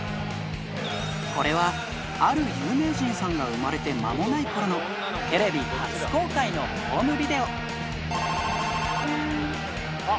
これは、ある有名人さんが産まれて間もないころのテレビ初公開のホームビ×